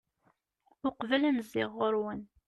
uqbel ad n-zziɣ ɣur-wen